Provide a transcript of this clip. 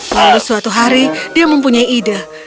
lalu suatu hari dia mempunyai ide